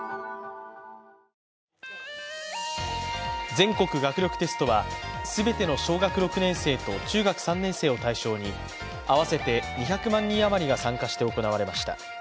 全国学力テストは全ての小学６年生と中学３年生を対象に合わせて２００万人余りが参加して行われました。